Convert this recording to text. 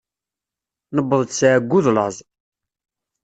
Newweḍ-d s εeyyu d laẓ.